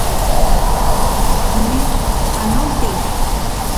Ne, ¡panolti!